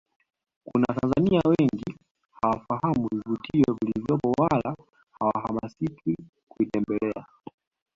Kuna Watanzania wengi hawafahamu vivutio vilivyopo wala hawahamasiki kuitembelea